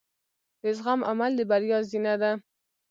د زغم عمل د بریا زینه ده.